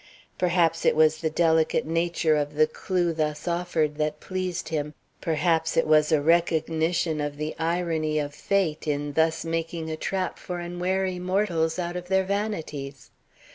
Perhaps it was the delicate nature of the clew thus offered that pleased him, perhaps it was a recognition of the irony of fate in thus making a trap for unwary mortals out of their vanities.